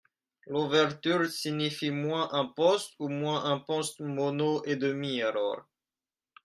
L’ouverture signifie moins un poste ou moins un poste mono et demi alors ?